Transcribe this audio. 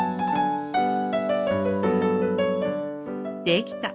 できた！